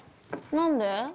何で？